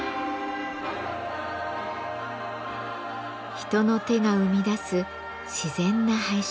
人の手が生み出す自然な配色。